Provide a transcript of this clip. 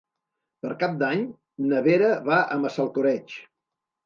Per Cap d'Any na Vera va a Massalcoreig.